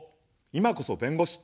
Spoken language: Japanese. いまこそ弁護士。